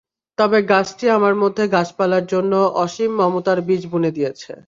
তবে গাছটি আমার মধ্যে গাছপালার জন্য অসীম মমতার বীজ বুনে দিয়ে গেছে।